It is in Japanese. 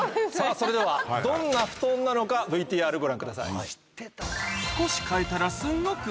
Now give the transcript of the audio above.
それではどんなふとんなのかＶＴＲご覧ください。